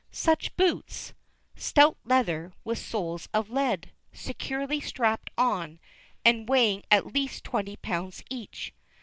Such boots! Stout leather, with soles of lead, securely strapped on, and weighing at least twenty pounds each.